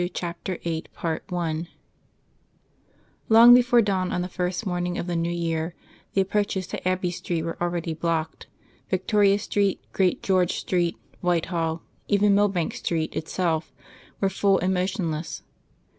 CHAPTER VIII I Long before dawn on the first morning of the New Year the approaches to the Abbey were already blocked. Victoria Street, Great George Street, Whitehall even Millbank Street itself were full and motionless.